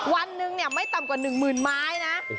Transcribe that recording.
วันหนึ่งไม่ต่ำกว่า๑๐๐๐ไม้นะ